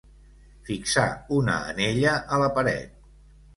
Fixar una anella a la paret.